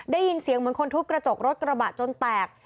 ได้ยินเสียงเหมือนคนทุบกระจกรถกระบะจนแตก